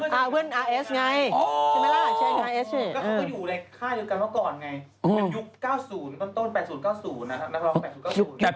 ยุค๘๐๙๐นักร้อง๙๐๙๐